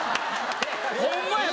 ホンマや。